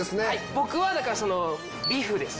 僕はだからそのビフです。